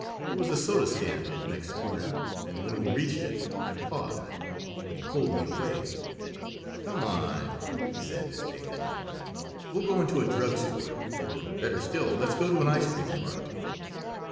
There was a soda stand on the next corner, and when we reached it I paused, but he pulled me away "Come on," he said, disdainfully. "We'll go into a drug store, or, better still, let's go to an ice cream parlor."